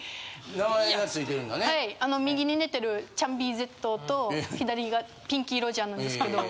あの右に寝てるちゃんＢＺと左がピンキーロジャーなんですけど。